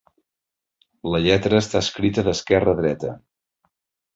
La lletra està escrita d'esquerra a dreta.